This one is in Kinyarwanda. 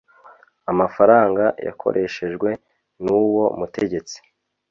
Amafaranga yakoreshejwe n’ uwo mutegetsi.